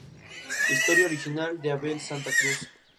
El objetivo de estas tecnologías es favorecer la autonomía personal.